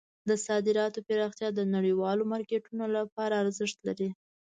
د صادراتو پراختیا د نړیوالو مارکیټونو لپاره ارزښت لري.